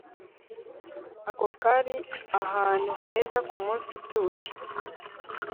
Ako kari ahantu heza kumunsi utuje